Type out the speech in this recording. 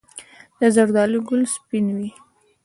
د زردالو ګل سپین وي؟